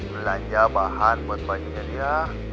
belanja bahan buat bajunya dia